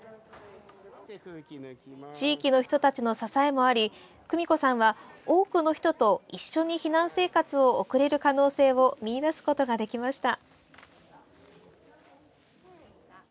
地域の人たちの支えもあり久美子さんは多くの人と一緒に避難生活を送れる可能性を見いだすことができました。